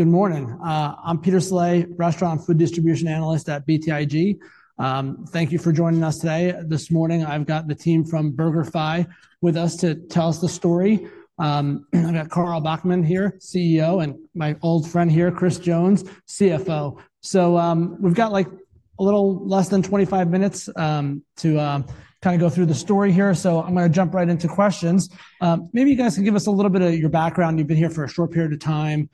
Good morning. I'm Peter Saleh, restaurant food distribution analyst at BTIG. Thank you for joining us today. This morning, I've got the team from BurgerFi with us to tell us the story. I've got Carl Bachmann here, CEO, and my old friend here, Chris Jones, CFO. So, we've got, like, a little less than 25 minutes, to, kind of go through the story here, so I'm gonna jump right into questions. Maybe you guys can give us a little bit of your background. You've been here for a short period of time.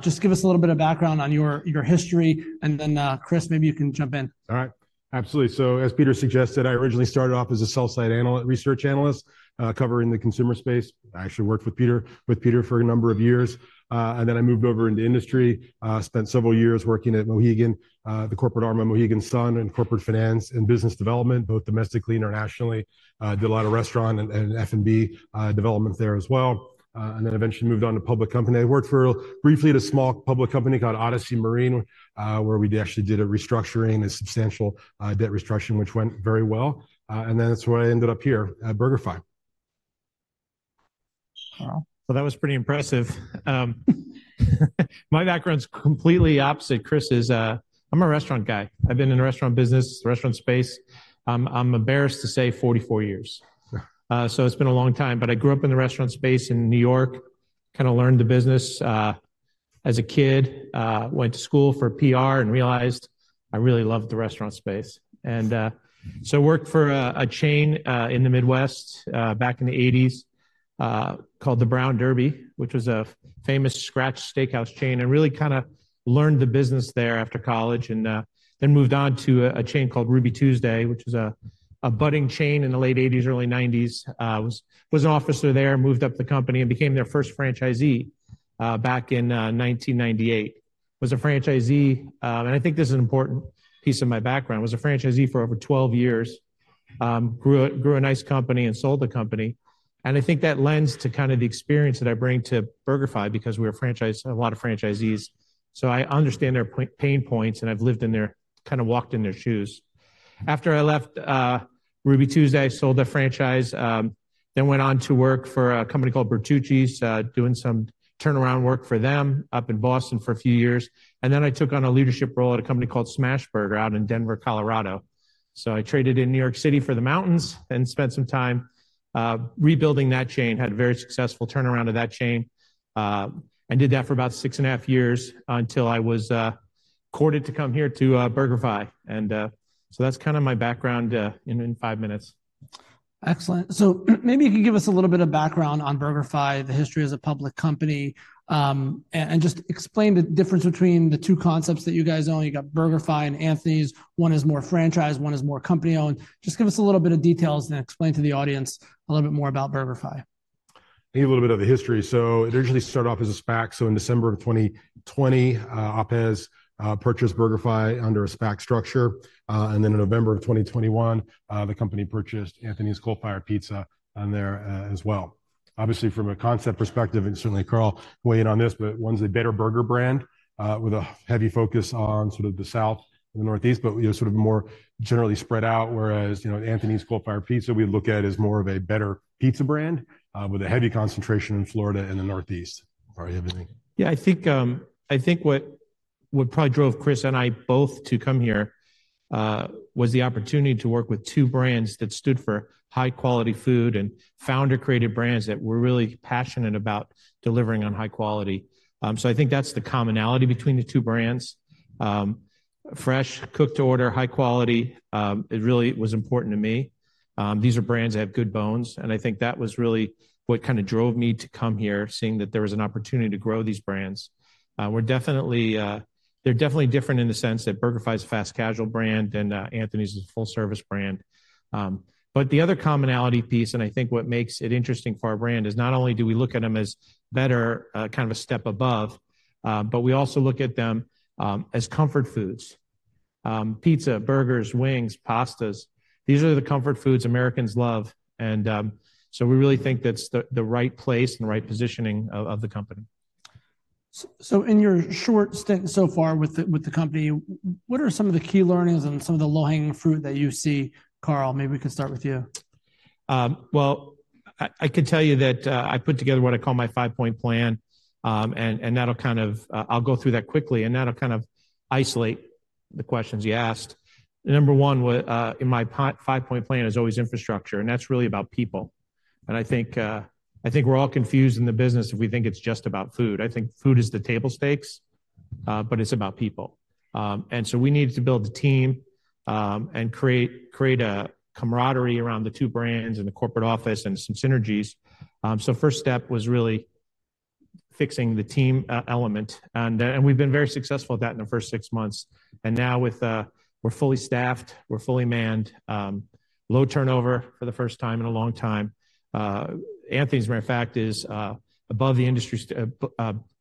Just give us a little bit of background on your, your history, and then, Chris, maybe you can jump in. All right. Absolutely. So, as Peter suggested, I originally started off as a sell-side research analyst, covering the consumer space. I actually worked with Peter for a number of years, and then I moved over into industry. Spent several years working at Mohegan, the corporate arm at Mohegan Sun, in corporate finance and business development, both domestically, internationally. Did a lot of restaurant and F&B development there as well, and then eventually moved on to public company. I worked briefly at a small public company called Odyssey Marine, where we actually did a restructuring, a substantial debt restructuring, which went very well. And then that's where I ended up here at BurgerFi. Wow! That was pretty impressive. My background's completely opposite Chris's. I'm a restaurant guy. I've been in the restaurant business, restaurant space. I'm embarrassed to say 44 years. Right. So it's been a long time, but I grew up in the restaurant space in New York. Kinda learned the business as a kid. Went to school for PR and realized I really loved the restaurant space. And so worked for a chain in the Midwest back in the 1980s called the Brown Derby, which was a famous scratch steakhouse chain, and really kind of learned the business there after college. Then moved on to a chain called Ruby Tuesday, which was a budding chain in the late 1980s, early 1990s. Was an officer there, moved up the company and became their first franchisee back in 1998. Was a franchisee, and I think this is an important piece of my background, was a franchisee for over 12 years. Grew a nice company and sold the company, and I think that lends to kind of the experience that I bring to BurgerFi because we're a franchise, a lot of franchisees, so I understand their pain points, and I've lived in their kind of walked in their shoes. After I left Ruby Tuesday, I sold the franchise, then went on to work for a company called Bertucci's, doing some turnaround work for them up in Boston for a few years. Then I took on a leadership role at a company called Smashburger out in Denver, Colorado. I traded in New York City for the mountains and spent some time rebuilding that chain, had a very successful turnaround of that chain. I did that for about 6.5 years until I was courted to come here to BurgerFi, and so that's kind of my background in five minutes. Excellent. So maybe you can give us a little bit of background on BurgerFi, the history as a public company, and just explain the difference between the two concepts that you guys own. You got BurgerFi and Anthony's. One is more franchised, one is more company-owned. Just give us a little bit of details and explain to the audience a little bit more about BurgerFi. Give a little bit of the history. It originally started off as a SPAC. In December 2020, Ophir purchased BurgerFi under a SPAC structure. And then in November 2021, the company purchased Anthony's Coal Fired Pizza on there as well. Obviously, from a concept perspective, and certainly Carl will weigh in on this, but one's a better burger brand with a heavy focus on sort of the South and the Northeast, but, you know, sort of more generally spread out, whereas, you know, Anthony's Coal Fired Pizza, we look at as more of a better pizza brand with a heavy concentration in Florida and the Northeast. Carl, you have anything? Yeah, I think what probably drove Chris and I both to come here was the opportunity to work with two brands that stood for high-quality food and founder-created brands that were really passionate about delivering on high quality. So I think that's the commonality between the two brands. Fresh, cooked to order, high quality, it really was important to me. These are brands that have good bones, and I think that was really what kind of drove me to come here, seeing that there was an opportunity to grow these brands. We're definitely, they're definitely different in the sense that BurgerFi is a fast casual brand, and Anthony's is a full-service brand. But the other commonality piece, and I think what makes it interesting for our brand, is not only do we look at them as better, kind of a step above, but we also look at them as comfort foods. Pizza, burgers, wings, pastas, these are the comfort foods Americans love, and so we really think that's the right place and the right positioning of the company. So in your short stint so far with the company, what are some of the key learnings and some of the low-hanging fruit that you see? Carl, maybe we can start with you. Well, I can tell you that I put together what I call my 5-point plan. And that'll kind of, I'll go through that quickly, and that'll kind of isolate the questions you asked. Number one, in my five point plan, is always infrastructure, and that's really about people. And I think, I think we're all confused in the business if we think it's just about food. I think food is the table stakes, but it's about people. And so we needed to build a team, and create a camaraderie around the two brands and the corporate office and some synergies. So first step was really fixing the team element, and we've been very successful at that in the first six months. And now with, we're fully staffed, we're fully manned, low turnover for the first time in a long time. Anthony's, matter of fact, is, above the industry standards,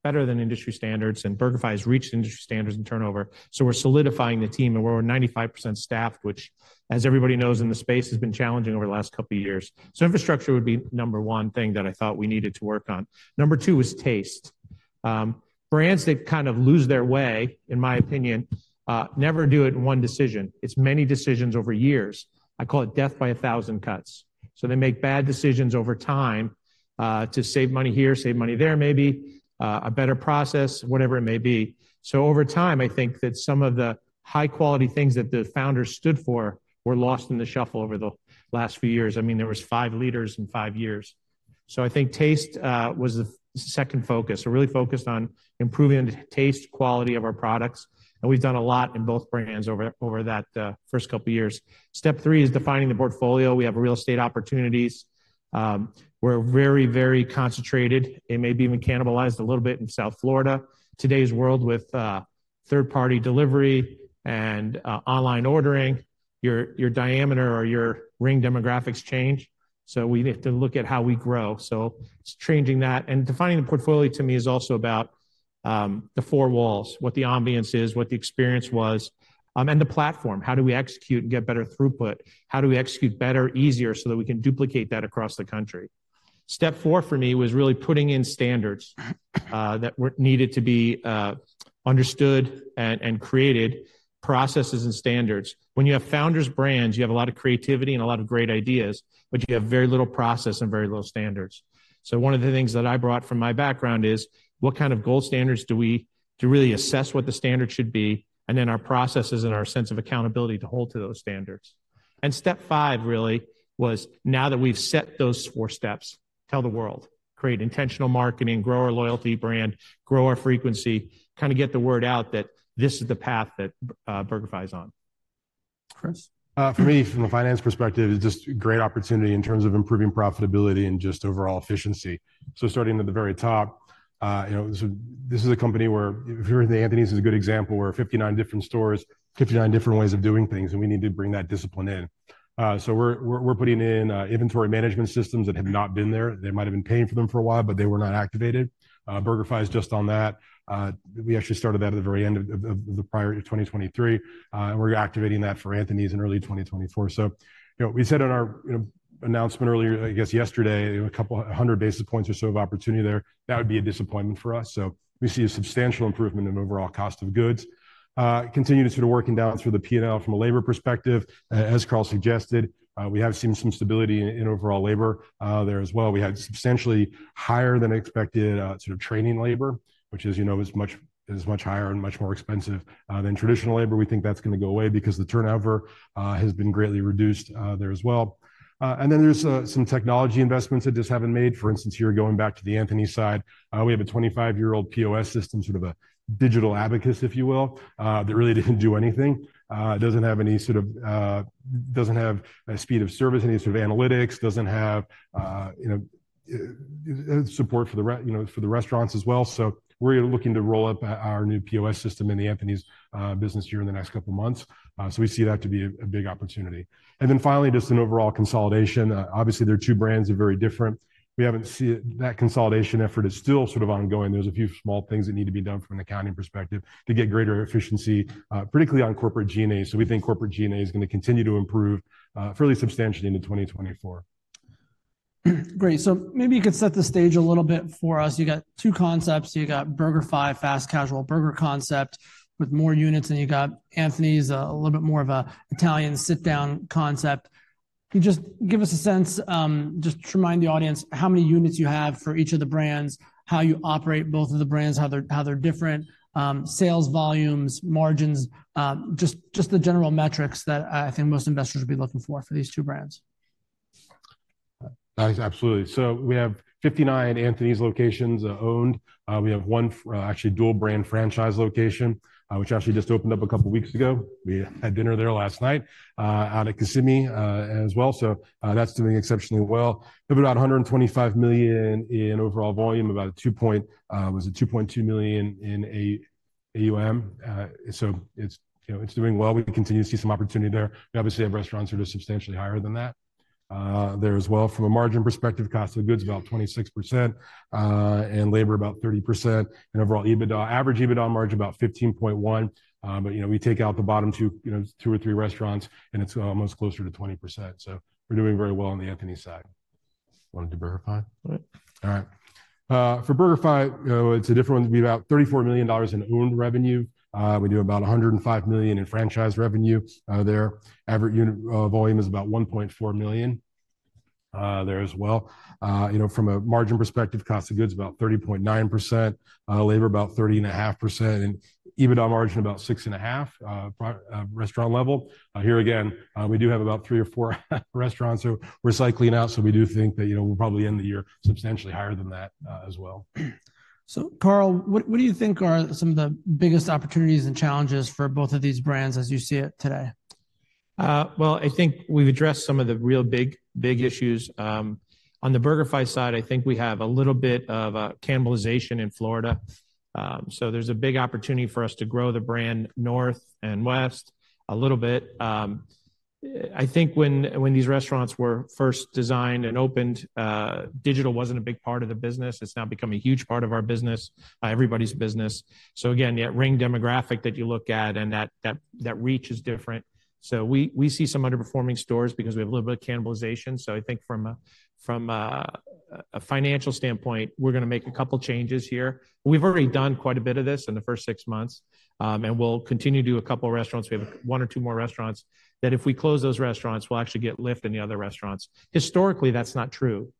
better than industry standards, and BurgerFi has reached industry standards in turnover. So we're solidifying the team, and we're 95% staffed, which, as everybody knows, in the space, has been challenging over the last couple of years. So infrastructure would be number one thing that I thought we needed to work on. Number two was taste. Brands, they kind of lose their way, in my opinion, never do it in one decision. It's many decisions over years. I call it death by a thousand cuts. So they make bad decisions over time to save money here, save money there, maybe a better process, whatever it may be. So over time, I think that some of the high-quality things that the founders stood for were lost in the shuffle over the last few years. I mean, there was five leaders in five years. So I think taste was the second focus. We're really focused on improving the taste quality of our products, and we've done a lot in both brands over that first couple of years. Step three is defining the portfolio. We have real estate opportunities. We're very, very concentrated, and maybe even cannibalized a little bit in South Florida. Today's world with third-party delivery and online ordering, your diameter or your ring demographics change, so we have to look at how we grow. It's changing that. Defining the portfolio to me is also about the four walls, what the ambiance is, what the experience was, and the platform. How do we execute and get better throughput? How do we execute better, easier, so that we can duplicate that across the country? Step four, for me, was really putting in standards that were needed to be understood and created, processes and standards. When you have founders brands, you have a lot of creativity and a lot of great ideas, but you have very little process and very little standards. So one of the things that I brought from my background is, what kind of gold standards to really assess what the standard should be, and then our processes and our sense of accountability to hold to those standards. Step five, really, was now that we've set those four steps, tell the world. Create intentional marketing, grow our loyalty brand, grow our frequency, kinda get the word out that this is the path that BurgerFi is on. Chris? For me, from a finance perspective, it's just a great opportunity in terms of improving profitability and just overall efficiency. So starting at the very top, you know, so this is a company where, if you're in the Anthony's is a good example, where 59 different stores, 59 different ways of doing things, and we need to bring that discipline in. So we're putting in, inventory management systems that have not been there. They might have been paying for them for a while, but they were not activated. BurgerFi is just on that. We actually started that at the very end of the prior to 2023, and we're activating that for Anthony's in early 2024. So, you know, we said in our, you know, announcement earlier, I guess yesterday, a couple hundred basis points or so of opportunity there, that would be a disappointment for us. So we see a substantial improvement in overall cost of goods. Continuing to sort of working down through the P&L from a labor perspective, as Carl suggested, we have seen some stability in overall labor there as well. We had substantially higher than expected sort of training labor, which is, you know, much higher and much more expensive than traditional labor. We think that's gonna go away because the turnover has been greatly reduced there as well. And then there's some technology investments that just haven't made. For instance, here, going back to the Anthony's side, we have a 25-year-old POS system, sort of a digital abacus, if you will, that really didn't do anything. It doesn't have any sort of speed of service, any sort of analytics, doesn't have, you know, support for the restaurants as well. So we're looking to roll out our new POS system in the Anthony's business year in the next couple of months. So we see that to be a big opportunity. And then finally, just an overall consolidation. Obviously, their two brands are very different. We haven't seen. That consolidation effort is still sort of ongoing. There's a few small things that need to be done from an accounting perspective to get greater efficiency, particularly on corporate G&A. We think corporate G&A is gonna continue to improve fairly substantially into 2024. Great. So maybe you could set the stage a little bit for us. You got two concepts: You got BurgerFi, fast casual burger concept with more units, and you got Anthony's, a little bit more of a Italian sit-down concept. Can you just give us a sense, just to remind the audience how many units you have for each of the brands, how you operate both of the brands, how they're different, sales volumes, margins, just, just the general metrics that I think most investors would be looking for for these two brands. Absolutely. So we have 59 Anthony's locations owned. We have one actually dual brand franchise location, which actually just opened up a couple of weeks ago. We had dinner there last night out at Kissimmee as well. So that's doing exceptionally well. We have about $125 million in overall volume, about two point was it two point $2.2 million in AUV. So it's, you know, it's doing well. We continue to see some opportunity there. We obviously have restaurants that are substantially higher than that there as well. From a margin perspective, cost of goods is about 26% and labor about 30%, and overall EBITDA, average EBITDA margin about 15.1%. But, you know, we take out the bottom two, you know, two or three restaurants, and it's almost closer to 20%. So we're doing very well on the Anthony's side. You wanted to BurgerFi? Right. All right. For BurgerFi, it's a different one. We have about $34 million in owned revenue. We do about $105 million in franchise revenue. Their average unit volume is about $1.4 million there as well. You know, from a margin perspective, cost of goods is about 30.9%, labor about 30.5%, and EBITDA margin about 6.5% restaurant level. Here, again, we do have about three or four restaurants that we're cycling out, so we do think that, you know, we'll probably end the year substantially higher than that as well. So, Carl, what do you think are some of the biggest opportunities and challenges for both of these brands as you see it today? Well, I think we've addressed some of the real big, big issues. On the BurgerFi side, I think we have a little bit of cannibalization in Florida. So there's a big opportunity for us to grow the brand north and west a little bit. I think when these restaurants were first designed and opened, digital wasn't a big part of the business. It's now become a huge part of our business, everybody's business. So again, yeah, ring demographic that you look at and that reach is different. So we see some underperforming stores because we have a little bit of cannibalization. So I think from a financial standpoint, we're gonna make a couple changes here. We've already done quite a bit of this in the first six months, and we'll continue to do a couple of restaurants. We have one or two more restaurants, that if we close those restaurants, we'll actually get lift in the other restaurants. Historically, that's not true.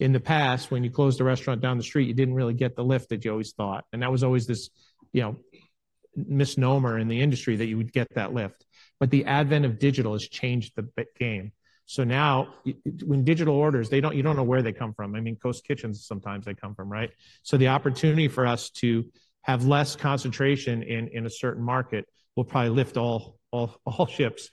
In the past, when you closed a restaurant down the street, you didn't really get the lift that you always thought, and that was always this, you know, misnomer in the industry that you would get that lift. But the advent of digital has changed the business game. So now, when digital orders, you don't know where they come from. I mean, Ghost Kitchens, sometimes they come from, right? So the opportunity for us to have less concentration in a certain market will probably lift all ships.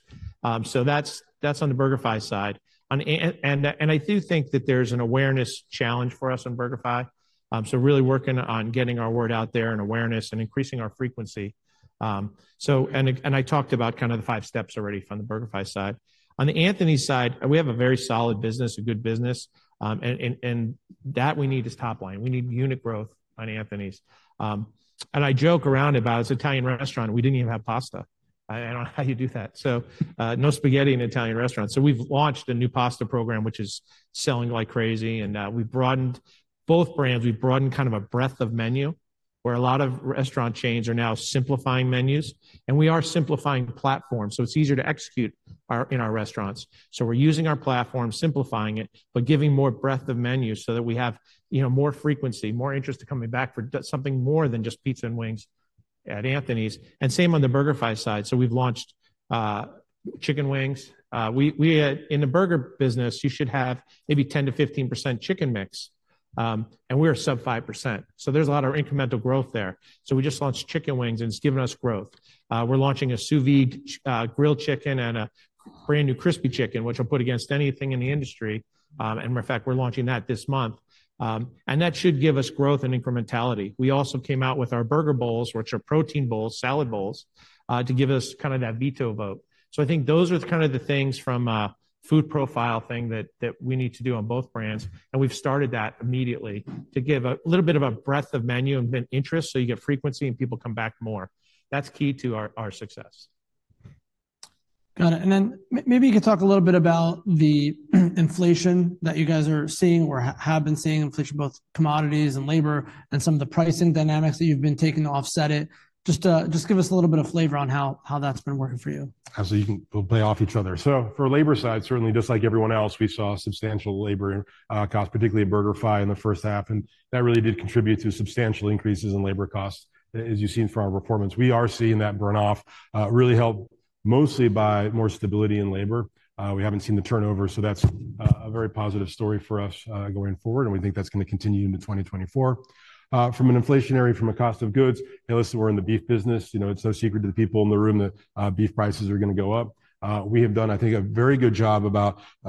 So that's on the BurgerFi side. I do think that there's an awareness challenge for us on BurgerFi. So really working on getting our word out there, and awareness, and increasing our frequency. I talked about kind of the five steps already from the BurgerFi side. On the Anthony's side, we have a very solid business, a good business, and that we need is top line. We need unit growth on Anthony's. And I joke around about it, it's an Italian restaurant, and we didn't even have pasta. I don't know how you do that. So, no spaghetti in Italian restaurants. So we've launched a new pasta program, which is selling like crazy, and we've broadened both brands. We've broadened kind of a breadth of menu, where a lot of restaurant chains are now simplifying menus, and we are simplifying the platform, so it's easier to execute our in our restaurants. So we're using our platform, simplifying it, but giving more breadth of menu so that we have, you know, more frequency, more interest to coming back for something more than just pizza and wings at Anthony's. And same on the BurgerFi side, so we've launched chicken wings. In the burger business, you should have maybe 10%-15% chicken mix, and we're sub 5%, so there's a lot of incremental growth there. So we just launched chicken wings, and it's given us growth. We're launching a sous vide chicken, grilled chicken and a brand-new crispy chicken, which I'll put against anything in the industry. And matter of fact, we're launching that this month. And that should give us growth and incrementality. We also came out with our burger bowls, which are protein bowls, salad bowls, to give us kind of that veto vote. So I think those are kind of the things from a food profile thing that we need to do on both brands, and we've started that immediately to give a little bit of a breadth of menu and then interest, so you get frequency, and people come back more. That's key to our success. Got it. And then maybe you could talk a little bit about the inflation that you guys are seeing or have been seeing, inflation, both commodities and labor, and some of the pricing dynamics that you've been taking to offset it. Just, just give us a little bit of flavor on how, how that's been working for you? Absolutely, we'll play off each other. So for labor side, certainly just like everyone else, we saw substantial labor costs, particularly at BurgerFi, in the first half, and that really did contribute to substantial increases in labor costs, as you've seen from our performance. We are seeing that burn off, really helped mostly by more stability in labor. We haven't seen the turnover, so that's a very positive story for us, going forward, and we think that's gonna continue into 2024. From an inflationary, from a cost of goods, hey, listen, we're in the beef business, you know, it's no secret to the people in the room that beef prices are gonna go up. We have done, I think, a very good job about, you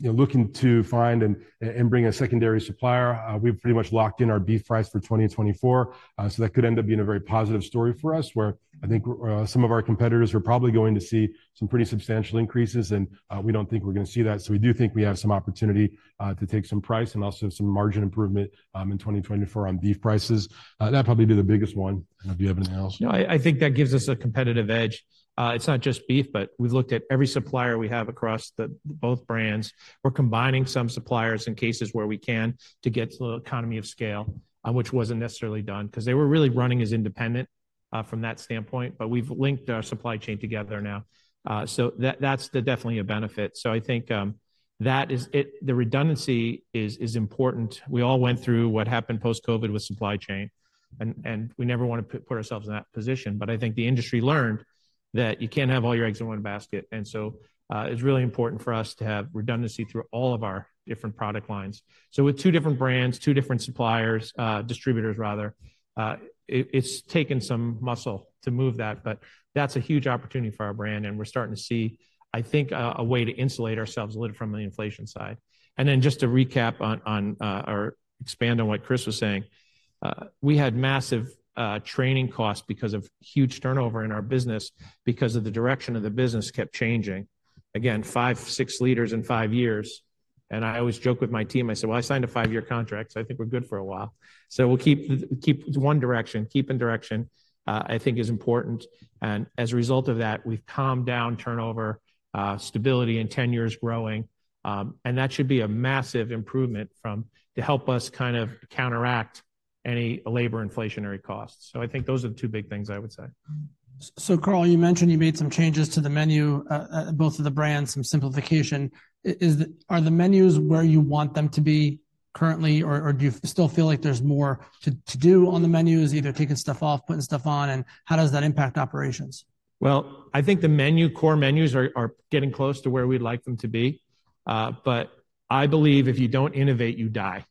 know, looking to find and bring a secondary supplier. We've pretty much locked in our beef price for 2024. So that could end up being a very positive story for us, where I think some of our competitors are probably going to see some pretty substantial increases, and we don't think we're gonna see that. So we do think we have some opportunity to take some price and also some margin improvement in 2024 on beef prices. That'd probably be the biggest one. Do you have anything else? No, I think that gives us a competitive edge. It's not just beef, but we've looked at every supplier we have across both brands. We're combining some suppliers in cases where we can to get to the economy of scale, which wasn't necessarily done. 'Cause they were really running as independent from that standpoint, but we've linked our supply chain together now. So that, that's definitely a benefit. So I think that is it, the redundancy is important. We all went through what happened post-COVID with supply chain, and we never want to put ourselves in that position. But I think the industry learned that you can't have all your eggs in one basket, and so it's really important for us to have redundancy through all of our different product lines. So with two different brands, two different suppliers, distributors rather, it, it's taken some muscle to move that, but that's a huge opportunity for our brand, and we're starting to see, I think, a way to insulate ourselves a little from the inflation side. And then just to recap on, or expand on what Chris was saying, we had massive training costs because of huge turnover in our business because of the direction of the business kept changing. Again, five, six leaders in five years, and I always joke with my team, I say: "Well, I signed a five-year contract, so I think we're good for a while." So we'll keep one direction, keeping direction, I think is important, and as a result of that, we've calmed down turnover, stability, and tenure is growing. That should be a massive improvement to help us kind of counteract any labor inflationary costs. I think those are the two big things I would say. So, Carl, you mentioned you made some changes to the menu, both of the brands, some simplification. Are the menus where you want them to be currently, or do you still feel like there's more to do on the menus, either taking stuff off, putting stuff on, and how does that impact operations? Well, I think the menu, core menus are getting close to where we'd like them to be. But I believe if you don't innovate, you die.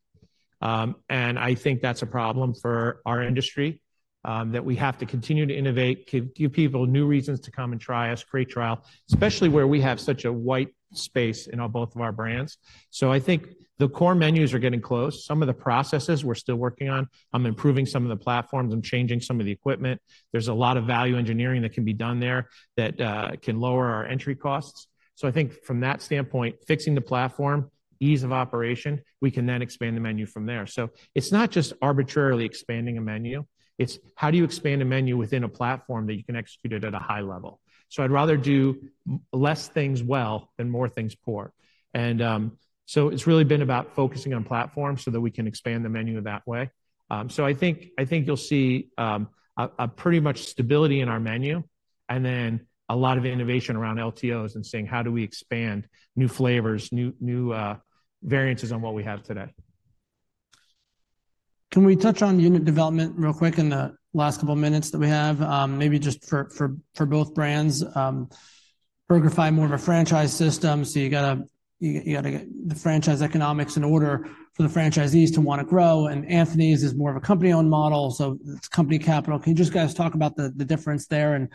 And I think that's a problem for our industry, that we have to continue to innovate, give, give people new reasons to come and try us, create trial, especially where we have such a wide space in our, both of our brands. So I think the core menus are getting close. Some of the processes, we're still working on. I'm improving some of the platforms and changing some of the equipment. There's a lot of value engineering that can be done there that can lower our entry costs. So I think from that standpoint, fixing the platform, ease of operation, we can then expand the menu from there. So it's not just arbitrarily expanding a menu, it's how do you expand a menu within a platform that you can execute it at a high level? So I'd rather do less things well than more things poor. And so it's really been about focusing on platform so that we can expand the menu that way. So I think, I think you'll see a pretty much stability in our menu and then a lot of innovation around LTOs and saying: How do we expand new flavors, new variances on what we have today? Can we touch on unit development real quick in the last couple of minutes that we have, maybe just for both brands? BurgerFi, more of a franchise system, so you gotta get the franchise economics in order for the franchisees to want to grow, and Anthony's is more of a company-owned model, so it's company capital. Can you guys just talk about the difference there and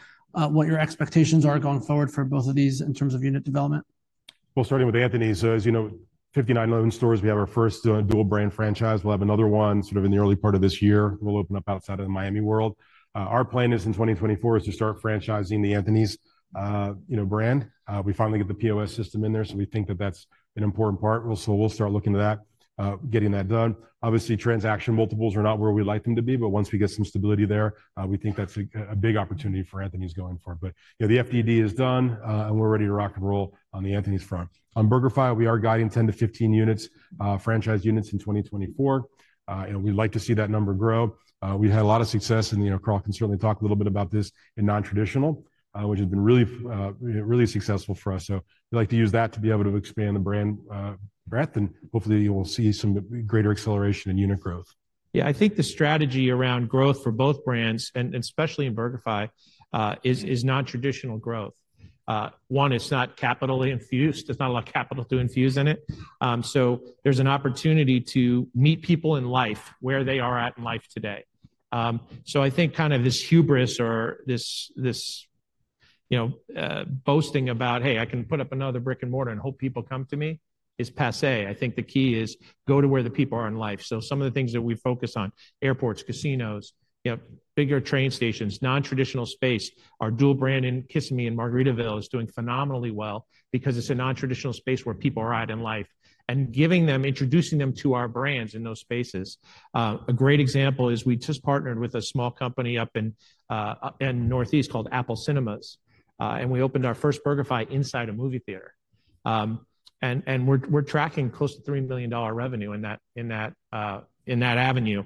what your expectations are going forward for both of these in terms of unit development? Well, starting with Anthony's, as you know, 59 owned stores. We have our first, dual brand franchise. We'll have another one sort of in the early part of this year. We'll open up outside of the Miami world. Our plan is in 2024 is to start franchising the Anthony's, you know, brand. We finally get the POS system in there, so we think that that's an important part. Well, so we'll start looking to that, getting that done. Obviously, transaction multiples are not where we'd like them to be, but once we get some stability there, we think that's a big opportunity for Anthony's going forward. But, you know, the FDD is done, and we're ready to rock and roll on the Anthony's front. On BurgerFi, we are guiding 10-15 units, franchise units in 2024. We'd like to see that number grow. We had a lot of success, and, you know, Carl can certainly talk a little bit about this in nontraditional, which has been really, really successful for us. So we'd like to use that to be able to expand the brand breadth, and hopefully you will see some greater acceleration in unit growth. Yeah, I think the strategy around growth for both brands, and especially in BurgerFi, is nontraditional growth. It's not capitally infused. There's not a lot of capital to infuse in it. So there's an opportunity to meet people in life where they are at in life today. So I think kind of this hubris or this, you know, boasting about, "Hey, I can put up another brick-and-mortar and hope people come to me," is passé. I think the key is go to where the people are in life. So some of the things that we focus on: airports, casinos, you know, bigger train stations, nontraditional space. Our dual brand in Kissimmee and Margaritaville is doing phenomenally well because it's a nontraditional space where people are at in life, and introducing them to our brands in those spaces. A great example is we just partnered with a small company up in the Northeast called Apple Cinemas, and we opened our first BurgerFi inside a movie theater. And we're tracking close to $3 million revenue in that avenue.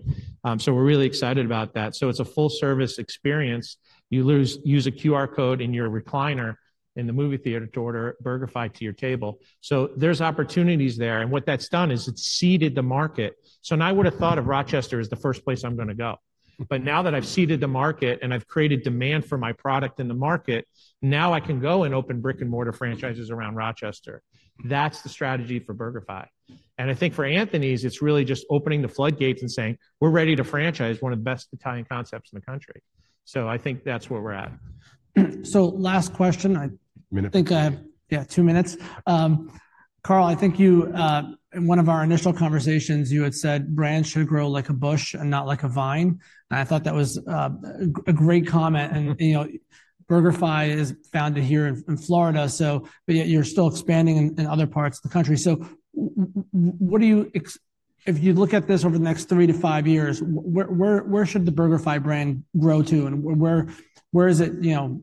So we're really excited about that. So it's a full-service experience. You use a QR code in your recliner in the movie theater to order BurgerFi to your table. So there's opportunities there, and what that's done is it's seeded the market. So now I would have thought of Rochester as the first place I'm going to go. But now that I've seeded the market, and I've created demand for my product in the market, now I can go and open brick-and-mortar franchises around Rochester. That's the strategy for BurgerFi. I think for Anthony's, it's really just opening the floodgates and saying: We're ready to franchise one of the best Italian concepts in the country. I think that's where we're at. So last question, I think I have, yeah, two minutes. Carl, I think you in one of our initial conversations, you had said brands should grow like a bush and not like a vine. And I thought that was a great comment, and you know, BurgerFi is founded here in Florida, so but yet you're still expanding in other parts of the country. So what do you expect if you look at this over the next three to five years, where should the BurgerFi brand grow to, and where is it, you know,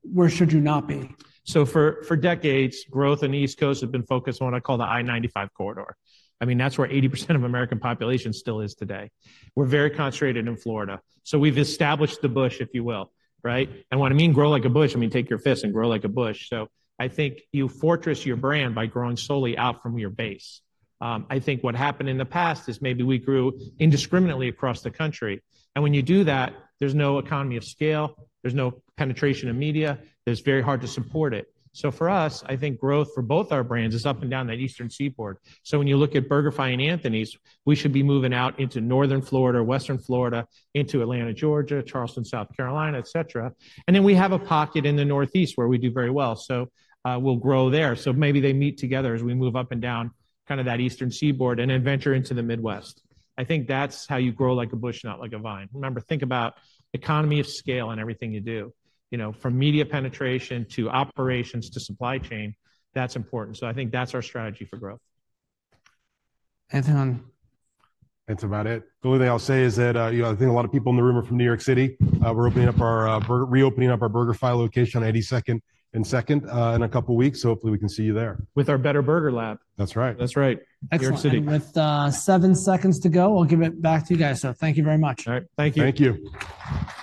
where should you not be? So for decades, growth on the East Coast have been focused on what I call the I-95 corridor. I mean, that's where 80% of American population still is today. We're very concentrated in Florida, so we've established the bush, if you will, right? And what I mean grow like a bush, I mean, take your fist and grow like a bush. So I think you fortress your brand by growing solely out from your base. I think what happened in the past is maybe we grew indiscriminately across the country, and when you do that, there's no economy of scale, there's no penetration of media, there's very hard to support it. So for us, I think growth for both our brands is up and down that Eastern Seaboard. So when you look at BurgerFi and Anthony's, we should be moving out into northern Florida, western Florida, into Atlanta, Georgia, Charleston, South Carolina, et cetera. And then we have a pocket in the Northeast, where we do very well, so we'll grow there. So maybe they meet together as we move up and down, kind of that Eastern Seaboard, and then venture into the Midwest. I think that's how you grow like a bush, not like a vine. Remember, think about economy of scale in everything you do. You know, from media penetration, to operations, to supply chain, that's important. So I think that's our strategy for growth. That's about it. The only thing I'll say is that, you know, I think a lot of people in the room are from New York City. We're reopening up our BurgerFi location on 82nd and Second, in a couple weeks, so hopefully we can see you there. With our Better Burger Lab. That's right. That's right Excellent. New York City. With seven seconds to go, I'll give it back to you guys. Thank you very much. All right, thank you. Thank you.